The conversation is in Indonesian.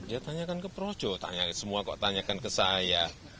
dia tanyakan ke projo tanya semua kok tanyakan ke saya